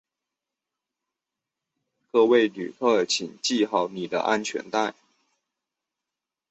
各位旅客请系好你的安全带